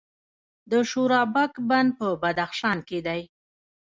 د شورابک بند په بدخشان کې دی